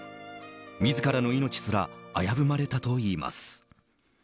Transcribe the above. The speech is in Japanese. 自らの命すら危ぶまれたといいます。